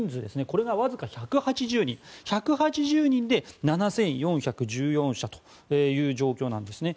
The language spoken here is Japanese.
これがわずか１８０人１８０人で７４１４社という状況なんですね。